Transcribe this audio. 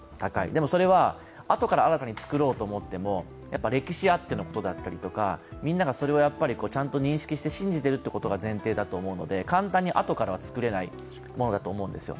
でも、それはあとから新たに作ろうと思っても歴史あってのことであったりとか、みんながそれを認識して信じているということが前提だと思うので簡単にあとからは作れないものだと思うんですよ。